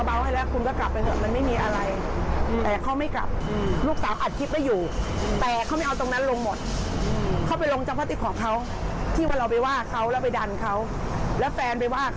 บ้านเลยถามทำไมเหลือจะชักบุญยืมประชาชนเหรอฉันไม่มีปืนหรอก